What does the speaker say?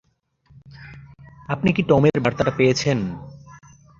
আপনি কি টমের বার্তাটা পেয়েছেন?